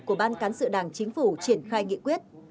của ban cán sự đảng chính phủ triển khai nghị quyết